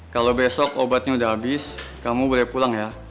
kalau besok obatnya sudah habis kamu boleh pulang ya